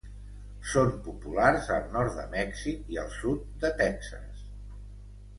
Són populars al nord de Mèxic i al sud de Texas.